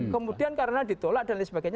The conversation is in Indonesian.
kemudian karena ditolak